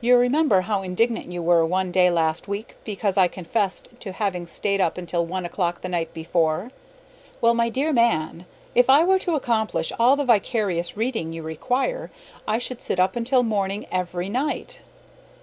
You remember how indignant you were one day last week because I confessed to having stayed up until one o'clock the night before? Well, my dear man, if I were to accomplish all the vicarious reading you require, I should sit up until morning every night.